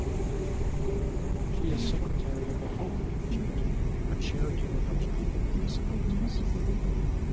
She is secretary of the Hope Project, a charity that helps people with disabilities.